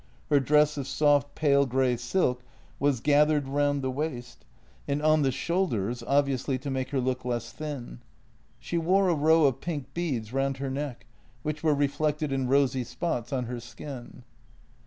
Her dress of soft, pale grey silk was gathered round the waist and on the 22 JENNY shoulders — obviously to make her look less thin. She wore a row of pink beads round her neck, which were reflected in rosy spots on her skin.